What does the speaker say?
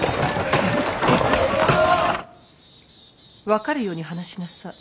分かるように話しなさい。